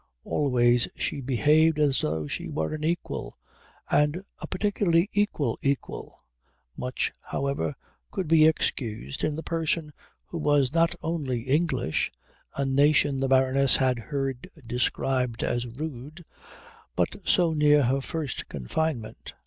Always she behaved as though she were an equal, and a particularly equal equal. Much, however, could be excused in a person who was not only English a nation the Baroness had heard described as rude but so near her first confinement.